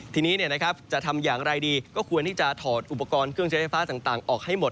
ทีนี้จะทำอย่างไรดีก็ควรที่จะถอดอุปกรณ์เครื่องใช้ไฟฟ้าต่างออกให้หมด